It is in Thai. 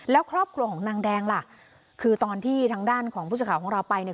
แล้วครอบครัวของนางแดงล่ะคือตอนที่ทางด้านของผู้สื่อข่าวของเราไปเนี่ย